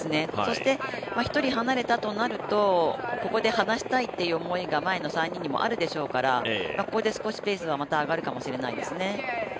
そして、１人離れたとなるとここで離したいっていう思いが前の３人にもあるでしょうからここで少しペースが上がるかもしれないですね。